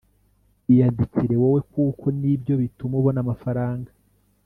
iyandikire wowe kuko nibyo bituma ubona amafaranga